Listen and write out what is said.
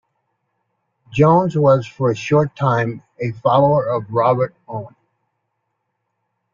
Jones was for a short time a follower of Robert Owen.